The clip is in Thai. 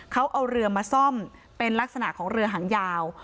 เขาเอาเรือมาซ่อมเป็นลักษณะของเรือหางยาว